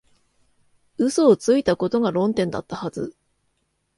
嘘をついたことが論点だったはず